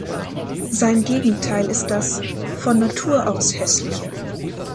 Sein Gegenteil ist das "von Natur aus Hässliche".